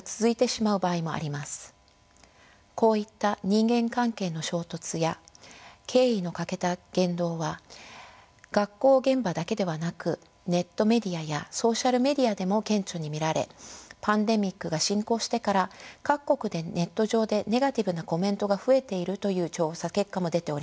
こういった人間関係の衝突や敬意の欠けた言動は学校現場だけではなくネットメディアやソーシャルメディアでも顕著に見られパンデミックが進行してから各国でネット上でネガティブなコメントが増えているという調査結果も出ております。